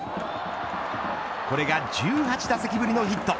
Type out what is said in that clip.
これが１８打席ぶりのヒット。